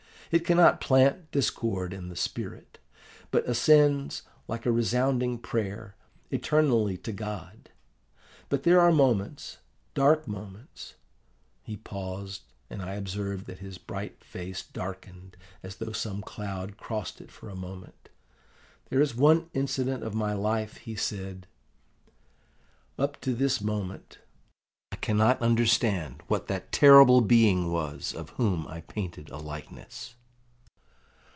It cannot plant discord in the spirit, but ascends, like a resounding prayer, eternally to God. But there are moments, dark moments ' He paused, and I observed that his bright face darkened, as though some cloud crossed it for a moment. 'There is one incident of my life,' he said. 'Up to this moment, I cannot understand what that terrible being was of whom I painted a likeness.